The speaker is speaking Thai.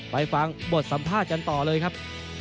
ไปฟังบทสัมภาษณ์กันต่อเลยครับ